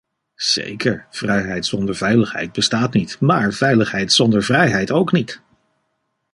Zeker, vrijheid zonder veiligheid bestaat niet - maar veiligheid zonder vrijheid ook niet!